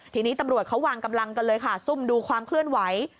ทีนี้ตำรวจเขาวางกำลังกันเลยค่ะซุ่มดูความเคลื่อนไหว